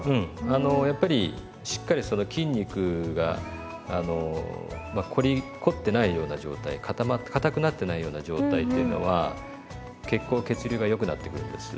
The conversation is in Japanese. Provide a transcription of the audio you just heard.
あのやっぱりしっかりその筋肉が凝ってないような状態かたくなってないような状態っていうのは血行血流がよくなっていくんです。